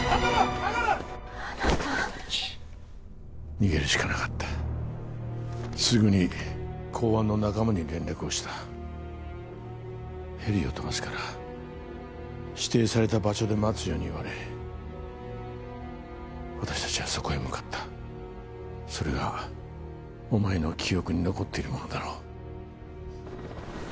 逃げるしかなかったすぐに公安の仲間に連絡をしたヘリを飛ばすから指定された場所で待つように言われ私達はそこへ向かったそれがお前の記憶に残っているものだろう